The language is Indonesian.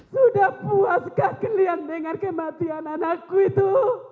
sudah puaskah kalian dengan kematian anakku itu